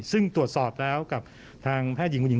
ซึ่งตรวจสอบแล้วกับทางแพทย์หญิง